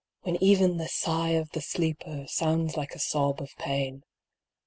When even the sigh of the sleeper Sounds like a sob of pain.